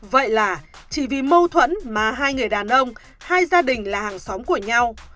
vậy là chỉ vì mâu thuẫn mà hai người đàn ông hai gia đình là hàng xóm của nhau